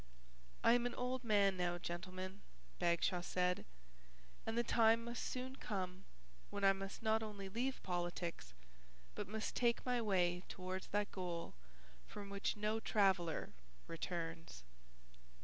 "I am an old man now, gentlemen," Bagshaw said, "and the time must soon come when I must not only leave politics, but must take my way towards that goal from which no traveller returns."